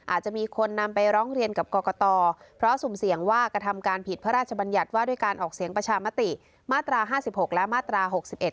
อาจจะมีคนนำไปร้องเรียนกับกรกตเพราะสุ่มเสี่ยงว่ากระทำการผิดพระราชบัญญัติว่าด้วยการออกเสียงประชามติมาตรา๕๖และมาตรา๖๑